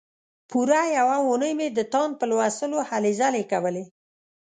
پوره یوه اونۍ مې د تاند په لوستلو هلې ځلې کولې.